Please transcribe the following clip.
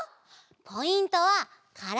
ポイントはからだ！